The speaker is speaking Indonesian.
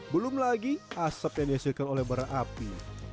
belum lagi asap yang dihasilkan oleh bara api